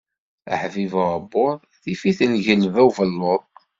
Aḥbib bu uɛebbuḍ, tif-it lgelba n ubellud.